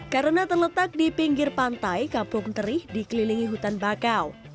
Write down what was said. karena terletak di pinggir pantai kampung teri dikelilingi hutan bakau